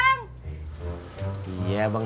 sampai jumpa pak